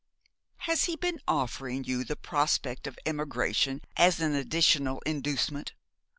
'Has he been offering you the prospect of emigration as an additional inducement?'